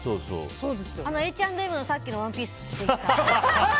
Ｈ＆Ｍのさっきのワンピース着ていけば。